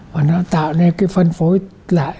và nó tạo nên cái phân phối lại